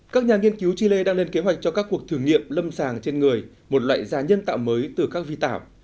các nhà nghiên cứu chile đang lên kế hoạch cho các cuộc thử nghiệm lâm sàng trên người một loại da nhân tạo mới từ các vi tạo